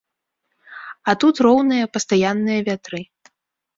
А тут роўныя, пастаянныя вятры.